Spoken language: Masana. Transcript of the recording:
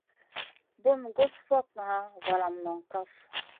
Bun gus fokŋa valam noŋ kaf.